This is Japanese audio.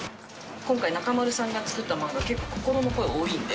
今回、中丸さんが作った漫画、結構、心の声が多いんで。